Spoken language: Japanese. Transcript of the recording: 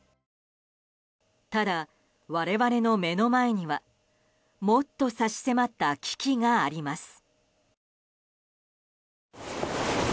ただ我々の目の前にはもっと差し迫った危機があります。